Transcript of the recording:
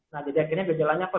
nah jadi akhirnya gejalanya apa